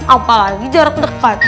apalagi jarak dekat